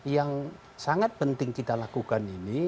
yang sangat penting kita lakukan ini